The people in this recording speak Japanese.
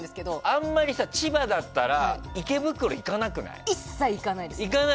あんまり千葉だったら池袋に一切、行かないです。